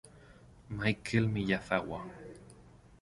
Michel Miyazawa